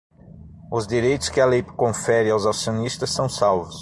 Os direitos que a lei confere aos acionistas são salvos.